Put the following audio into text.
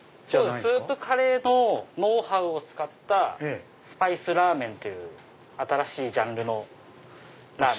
スープカレーのノウハウを使ったスパイスラーメンという新しいジャンルのラーメン。